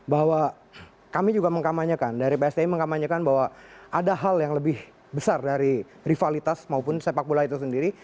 bahwa kami juga mengkamanyakan dari psti mengkamanyakan bahwa ada hal yang lebih besar dari rivalitas maupun sepak bola itu sendiri